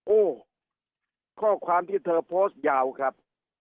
โอ้ข้อความที่เธอโพสต์ยาวครับ